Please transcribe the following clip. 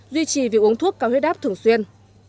duy trì việc uống thuốc cao huyết áp thường xuyên